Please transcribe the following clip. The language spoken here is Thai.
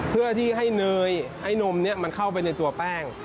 เพื่อที่ให้เนยให้นมนี้มันเข้าไปในตัวแป้ง